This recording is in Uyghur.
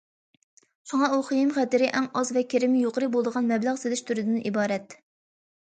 شۇڭا ئۇ خېيىم- خەتىرى ئەڭ ئاز ۋە كىرىمى يۇقىرى بولىدىغان مەبلەغ سېلىش تۈرىدىن ئىبارەت.